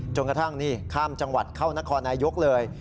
กระทั่งนี่ข้ามจังหวัดเข้านครนายกเลย